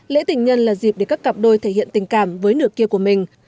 lễ tình nhân là dịp để các cặp đôi thể hiện tình cảm với nước kia của mình